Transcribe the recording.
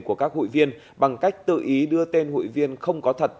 của các hội viên bằng cách tự ý đưa tên hội viên không có thật